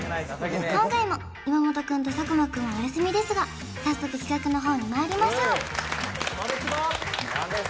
今回も岩本くんと佐久間くんはお休みですが早速企画の方にまいりましょうそれツボ！